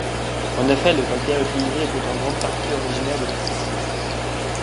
En effet, le calcaire utilisé était en grande partie originaire de la Sicile.